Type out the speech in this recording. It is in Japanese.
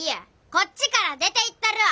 こっちから出ていったるわ！